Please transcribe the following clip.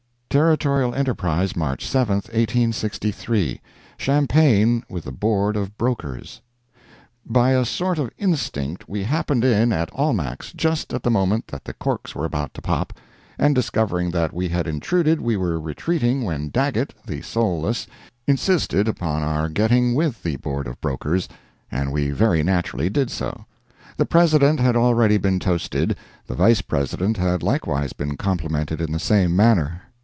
Territorial Enterprise, March 7, 1863 CHAMPAGNE WITH THE BOARD OF BROKERS By a sort of instinct we happened in at Almack's just at the moment that the corks were about to pop, and discovering that we had intruded we were retreating when Daggett, the soulless, insisted upon our getting with the Board of Brokers, and we very naturally did so. The President had already been toasted, the Vice President had likewise been complimented in the same manner.